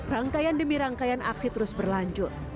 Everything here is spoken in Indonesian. rangkaian demi rangkaian aksi terus berlanjut